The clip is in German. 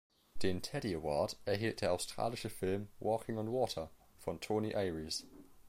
Den „Teddy Award“ erhielt der australische Film "Walking on Water" von Tony Ayres.